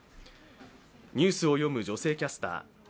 ニュースを読む女性キャスター。